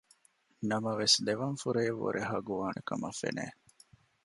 ނަމަވެސް ދެވަން ފުރަޔަށް ވުރެ ހަގުވާނެކަމަށް ފެނެ